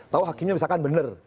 tahu hakimnya misalkan benar